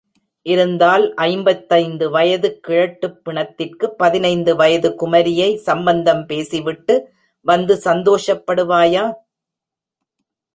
இருந்தால் ஐம்பத்தைந்து வயதுக் கிழட்டுப் பிணத்திற்குப் பதினைந்து வயதுக் குமரியை சம்பந்தம் பேசிவிட்டு வந்து சந்தோஷப்படுவாயா?